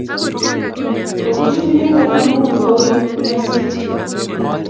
Kokichup inendet amun koin nyasut.